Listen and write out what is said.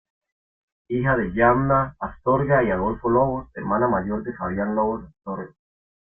Hija de Yamna Astorga y Adolfo Lobos; hermana mayor de Fabián Lobos Astorga.